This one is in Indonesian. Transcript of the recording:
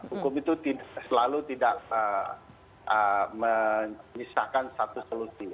hukum itu selalu tidak menyisakan satu solusi